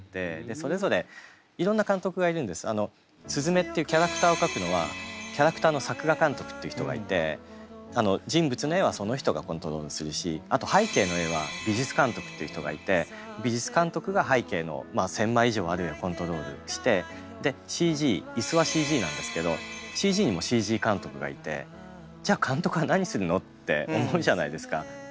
鈴芽っていうキャラクターを描くのはキャラクターの作画監督っていう人がいて人物の絵はその人がコントロールするしあと背景の絵は美術監督っていう人がいて美術監督が背景の１，０００枚以上ある絵をコントロールしてでＣＧ椅子はＣＧなんですけどＣＧにもＣＧ監督がいて「じゃあ監督は何するの？」って思うじゃないですか。